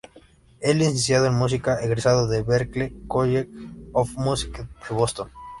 Es Licenciado en Música egresado de Berklee College of Music de Boston.